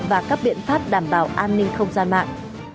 và các biện pháp đảm bảo an ninh không gian mạng